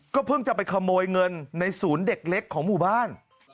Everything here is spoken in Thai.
เพิ่งจะไปขโมยเงินในศูนย์เด็กเล็กของหมู่บ้าน